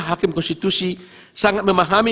hakim konstitusi sangat memahami